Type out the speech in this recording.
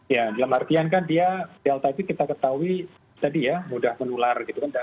ya dalam artian kan dia delta itu kita ketahui tadi ya mudah menular gitu kan